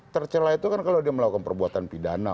tercelah itu kan kalau dia melakukan perbuatan pidana